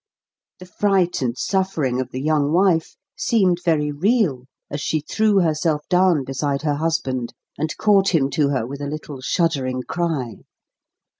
The fright and suffering of the young wife seemed very real as she threw herself down beside her husband and caught him to her with a little shuddering cry.